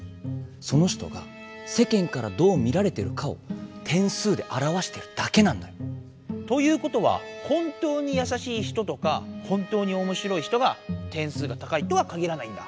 その人がせけんからどう見られてるかを点数であらわしてるだけなんだよ。ということは本当にやさしい人とか本当におもしろい人が点数が高いとはかぎらないんだ。